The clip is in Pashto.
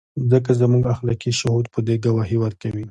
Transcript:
ځکه زموږ اخلاقي شهود په دې ګواهي ورکوي.